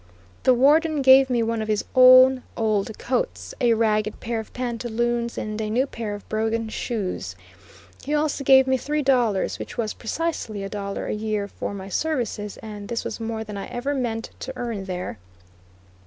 The Warden gave me one of his own old coats, a ragged pair of pantaloons, and a new pair of brogan shoes. He also gave me three dollars, which was precisely a dollar a year for my services, and this was more than I ever meant to earn there.